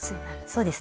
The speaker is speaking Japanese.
そうですね。